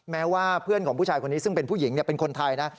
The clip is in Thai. แม้ว่าเพื่อนของผู้ชายคนนี้ซึ่งเป็นผู้หญิงเป็นคนไทยนะ